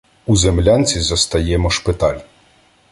У землянці застаємо "шпиталь".